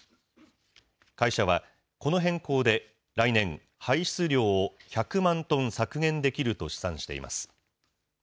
会社は、この変更で来年、排出量を１００万トン削減できると試算しています。